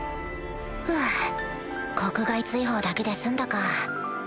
フゥ国外追放だけで済んだか